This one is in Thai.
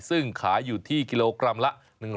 ซึ่งขายอยู่ที่กิโลกรัมละ๑๐๐